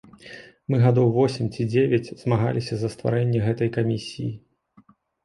Мы гадоў восем ці дзевяць змагаліся за стварэнне гэтай камісіі.